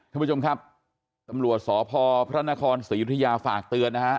ท่านผู้ชมครับตำรวจสพพระนครศรียุธยาฝากเตือนนะฮะ